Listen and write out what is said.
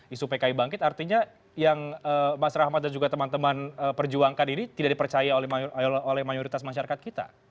isu pki bangkit artinya yang mas rahmat dan juga teman teman perjuangkan ini tidak dipercaya oleh mayoritas masyarakat kita